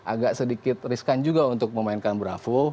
agak sedikit riskan juga untuk memainkan braful